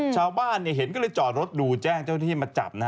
ข้าวบ้านเห็นก็เลยจอดรถดูแจ้งเจ้าที่มาจับ